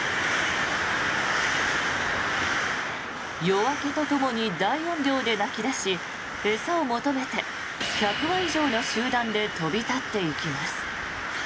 夜明けとともに大音量で鳴き出し餌を求めて１００羽以上の集団で飛び立っていきます。